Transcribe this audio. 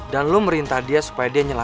karena dia beri hospital